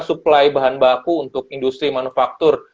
suplai bahan baku untuk industri manufaktur